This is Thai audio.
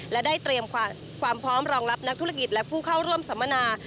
และได้เตรียมความพร้อมรองรับนักธุรกิจและผู้เข้าร่วมสัมมนา